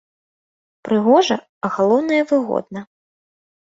Прыгожа, а галоўнае, выгодна.